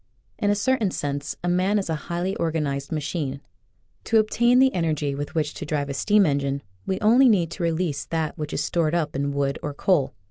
In a certain sense a man is a highly organ ized machine. To obtain the energy with which to drive a steam engine we only need to release that which is stored up in wood or coal.